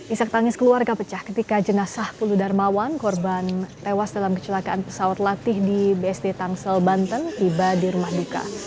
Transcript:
isak tangis keluarga pecah ketika jenazah pulu darmawan korban tewas dalam kecelakaan pesawat latih di bsd tangsel banten tiba di rumah duka